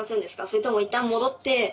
それとも一旦戻ってもう